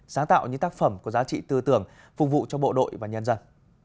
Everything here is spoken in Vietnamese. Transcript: sáng tạo những tác phẩm có giá trị tư tưởng phục vụ cho bộ đội và nhân dân